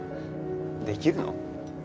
できるの？